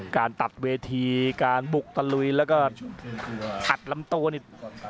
การตัดเวทีการบุกตะลุยแล้วก็ขัดลำโตนี่